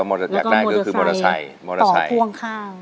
แล้วก็อยากได้ก็คือมอเตอร์ไซส์ต่อกว้างข้าง